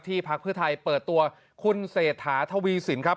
ที่ภาคพฤทัยเปิดตัวคุณเศรษฐาทวีสินครับ